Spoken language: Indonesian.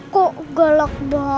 kok galak banget